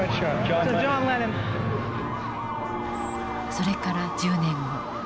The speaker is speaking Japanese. それから１０年後。